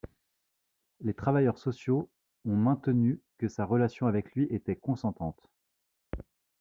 Les travailleurs sociaux ont maintenu que sa relation avec lui était consentante.